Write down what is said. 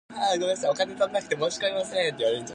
ごはんを炊いている。